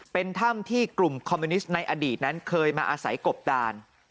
เป็นถ้ำที่กลุ่มคอมมิวนิสต์ในอดีตนั้นเคยมาอาศัยกบดาน